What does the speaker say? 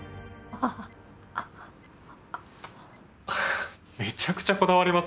フフッめちゃくちゃこだわりますね。